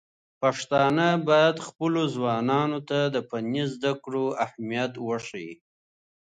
پښتانه بايد خپلو ځوانانو ته د فني زده کړو اهميت وښيي.